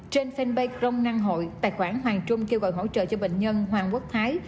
trên fanpage crong năng hội tài khoản hoàng trung kêu gọi hỗ trợ cho bệnh nhân hoàng quốc thái